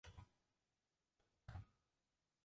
安徽宣州人。